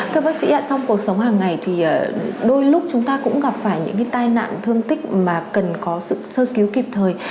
thưa bác sĩ trong cuộc sống hàng ngày thì đôi lúc chúng ta cũng gặp phải những tai nạn thương tích mà cần có sự sơ cứu kịp thời